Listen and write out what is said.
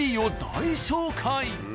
大紹介。